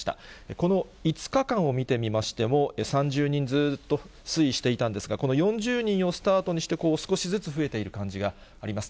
この５日間を見てみましても、３０人ずっと推移していたんですが、この４０人をスタートにして、こう少しずつ増えている感じがあります。